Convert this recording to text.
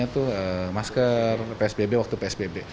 itu masker psbb waktu psbb